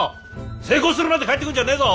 成功するまで帰ってくるんじゃねえぞ！